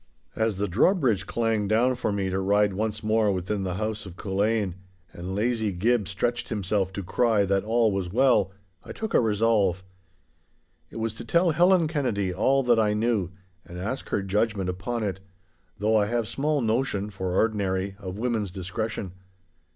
As the drawbridge clanged down for me to ride once more within the house of Culzean, and lazy Gib stretched himself to cry that all was well, I took a resolve. It was to tell Helen Kennedy all that I knew, and ask her judgment upon it—though I have small notion (for ordinary) of women's discretion.